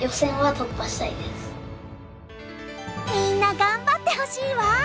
みんな頑張ってほしいわ。